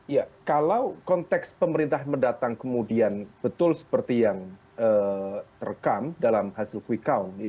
ya kalau konteks pemerintahan mendatang kemudian betul seperti yang terekam dalam hasil quick count